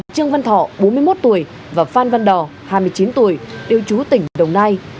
trương văn thọ bốn mươi một tuổi và phan văn đò hai mươi chín tuổi đều trú tỉnh đồng nai